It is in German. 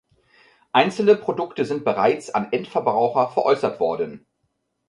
Einzelne Produkte sind bereits an Endverbraucher veräußert worden.